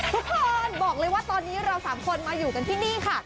ทุกคนบอกเลยว่าตอนนี้เราสามคนมาอยู่กันที่นี่ค่ะ